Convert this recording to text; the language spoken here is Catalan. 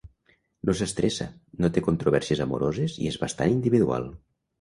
No s'estressa, no té controvèrsies amoroses i és bastant individual.